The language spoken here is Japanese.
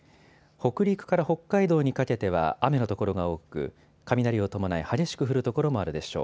北陸から北海道にかけては雨の所が多く雷を伴い激しく降る所もあるでしょう。